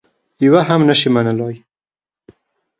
یوه هم نه شي منلای.